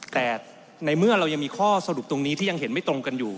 แต่ในเมื่อเรายังมีข้อสรุปตรงนี้ที่ยังเห็นไม่ตรงกันอยู่